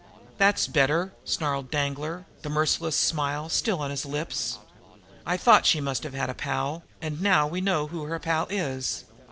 "That's better!" snarled Danglar, the merciless smile still on his lips. "I thought she must have had a pal, and we know now who her pal is.